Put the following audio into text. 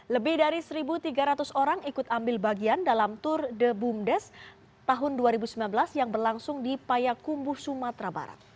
lebih dari satu tiga ratus orang ikut ambil bagian dalam tour de bumdes tahun dua ribu sembilan belas yang berlangsung di payakumbuh sumatera barat